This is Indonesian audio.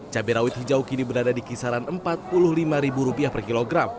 cabai rawit hijau kini berada di kisaran empat puluh lima ribu rupiah per kilogram